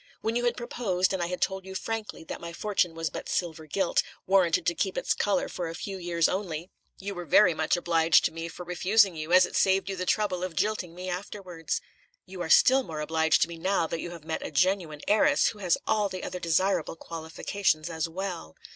When you had proposed, and I had told you frankly that my fortune was but silver gilt, warranted to keep its colour for a few years only, you were very much obliged to me for refusing you, as it saved you the trouble of jilting me afterwards. You are still more obliged to me now that you have met a genuine heiress who has all other desirable qualifications as well."